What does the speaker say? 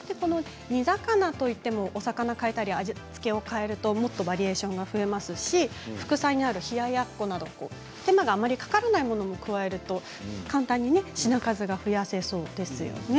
煮魚といってもお魚を変えたり味付けを変えるともっとバリエーションが増えますし副菜になる冷ややっこなど手間があまりかからないものも加えると簡単に品数を増やせそうですよね。